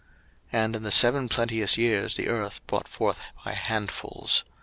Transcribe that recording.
01:041:047 And in the seven plenteous years the earth brought forth by handfuls.